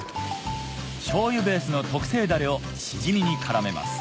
しょうゆベースの特製だれをシジミに絡めます